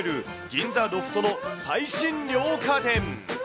銀座ロフトの最新涼家電。